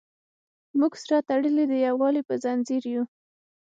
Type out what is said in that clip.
موږ سره تړلي د یووالي په زنځیر یو.